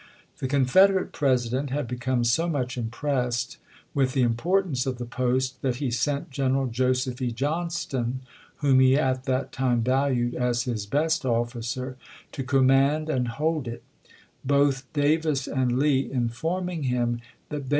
The Confederate President had become so much impressed with the importance of the post that he sent General Joseph E. Johnston, whom he at that time valued as his best officer, to command and hold it ; both Davis and Lee informing him " that they 318 ABRAHAM LINCOLN ch. XVIII.